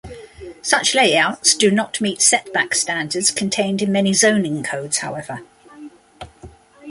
Such layouts do not meet setback standards contained in many zoning codes, however.